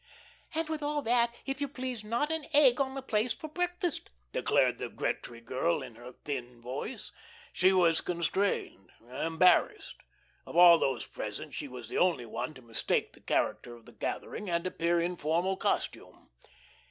"And with all that, if you please, not an egg on the place for breakfast," declared the Gretry girl in her thin voice. She was constrained, embarrassed. Of all those present she was the only one to mistake the character of the gathering and appear in formal costume.